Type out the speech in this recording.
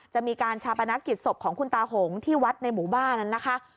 จะมีการชาปนกิจศพของคุณตาหงที่วัดในหมู่บ้านนั้นนะคะ